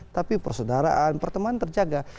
tapi persaudaraan pertemanan terjaga